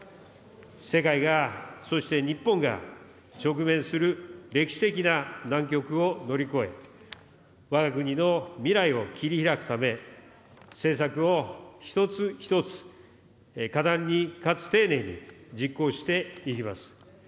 世界が、そして日本が直面する歴史的な難局を乗り越え、わが国の未来を切り拓くため、政策を一つ一つ果断に、かつ丁寧に実行していきます。